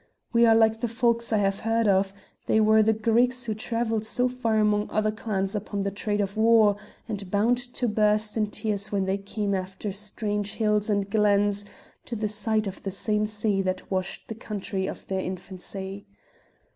We are like the folks I have read of they were the Greeks who travelled so far among other clans upon the trade of war, and bound to burst in tears when they came after strange hills and glens to the sight of the same sea that washed the country of their infancy.